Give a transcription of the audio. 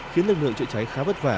khiến lực lượng trựa cháy khá vất vả